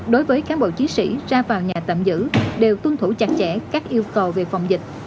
đối với cán bộ chiến sĩ ra vào nhà tạm giữ đều tuân thủ chặt chẽ các yêu cầu về phòng dịch